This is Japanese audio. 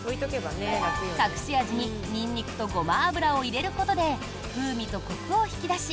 隠し味にニンニクとゴマ油を入れることで風味とコクを引き出し